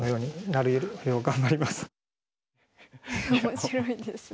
面白いですね。